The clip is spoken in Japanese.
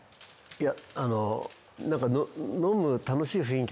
いや。